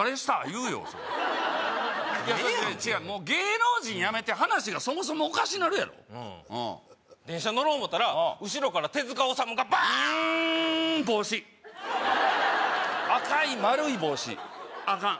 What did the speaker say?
言うよええやんけ芸能人やめて話がそもそもおかしなるやろ電車乗ろう思ったら後ろから手治虫がバーンうん帽子赤い丸い帽子アカン